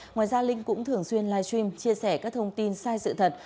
ngoài ra linh cũng thường xuyên live stream chia sẻ các thông tin sai sự thật